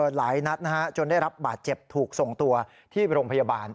หลายนัดนะฮะจนได้รับบาดเจ็บถูกส่งตัวที่โรงพยาบาล